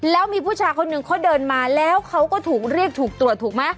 แล้วมีผู้ชายคนหนึ่งเขาเดินมาแล้วเขาก็ถูกเรียกถูกตรวจถูกไหม